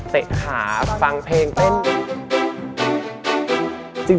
เตะขาฟังเพลง